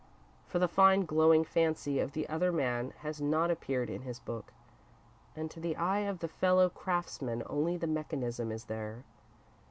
For the fine, glowing fancy of the other man has not appeared in his book, and to the eye of the fellow craftsman only the mechanism is there.